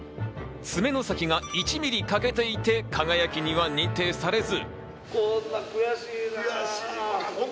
爪の先が１ミリかけていて「輝」には認定されず。